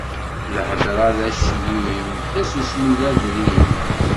Lhedṛa d aclim, tasusmi d adrim.